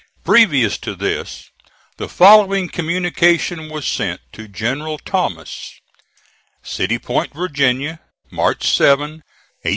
Previous to this the following communication was sent to General Thomas: "CITY POINT, VIRGINIA, March 7, 1865 9.